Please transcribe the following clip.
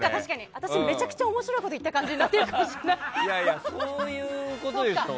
私めちゃくちゃ面白いこと言った感じになってるかもしれない。